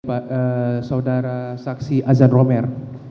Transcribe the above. pak saudara saksi azan romer